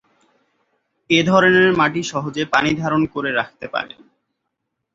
এ ধরনের মাটি সহজে পানি ধারণ করে রাখতে পারে।